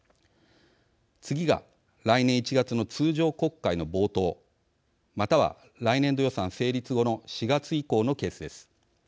次が、来年１月の通常国会の冒頭または来年度予算成立後の４月以降のケースです。